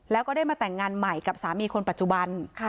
แล้วก็ได้มาแต่งงานใหม่กับสามีคนปัจจุบัน